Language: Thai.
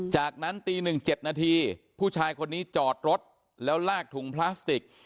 จากนั้นตี๑๗นาทีผู้ชายคนนี้จอดรถแล้วลากถุงพลาสติก